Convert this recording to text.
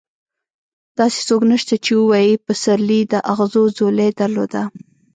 داسې څوک نشته چې ووايي پسرلي د اغزو ځولۍ درلوده.